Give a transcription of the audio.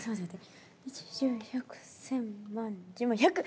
一十百千万十万百。